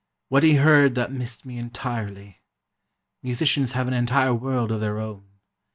What he heard that missed me entirely. Musicians have an entire world of their own.